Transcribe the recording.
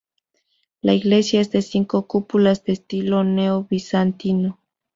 La iglesia es de cinco cúpulas de estilo neo-bizantino.